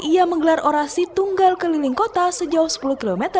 ia menggelar orasi tunggal keliling kota sejauh sepuluh km